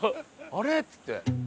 あれ？っつって。